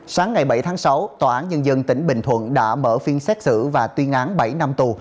sáng ngày bảy tháng sáu tòa án nhân dân tỉnh bình thuận đã mở phiên xét xử và tuyên án bảy năm tù